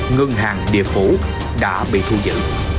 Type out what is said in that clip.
ngân hàng địa phủ đã bị thu giữ